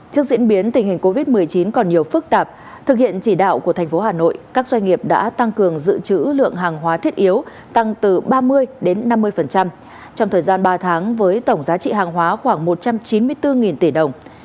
trước diễn biến tình hình covid một mươi chín còn nhiều phức tạp thực hiện chỉ đạo của thành phố hà nội các doanh nghiệp đã tăng cường dự trữ lượng hàng hóa thiết yếu tăng từ ba mươi đến năm mươi trong thời gian ba tháng với tổng giá trị hàng hóa khoảng một trăm chín mươi bốn tỷ đồng